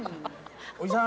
おじさん